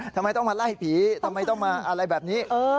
ทำไมต้องมาไล่ผีทำไมต้องมาอะไรแบบนี้